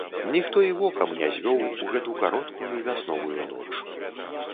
Ніхто і вокам не звёў у гэту кароткую вясновую ноч.